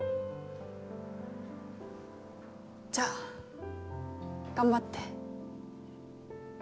じゃあ頑張って。